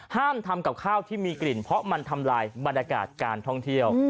ห้ามทำกับข้าวที่มีกลิ่นเพราะมันทำลายบรรยากาศการท่องเที่ยว